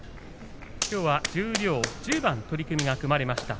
きょうは十両、１０番取組が組まれました。